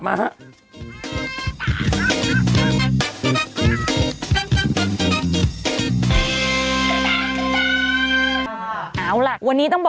ปุ๊บ